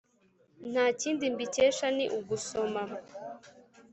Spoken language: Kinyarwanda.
nta kindi mbikesha ni ugusoma